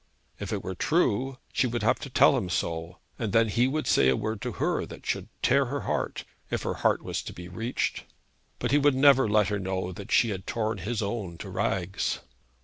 If it were true, she would have to tell him so; and then he would say a word to her that should tear her heart, if her heart was to be reached. But he would never let her know that she had torn his own to rags!